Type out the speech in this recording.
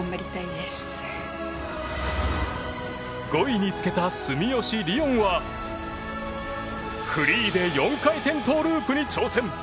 ５位につけた住吉りをんはフリーで４回転トウループに挑戦。